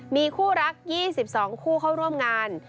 มีคู่รัก๒๒คู่เข้าร่วมงาน